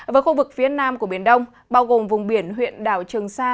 với khu vực phía nam của biển đông bao gồm vùng biển huyện đảo trường sa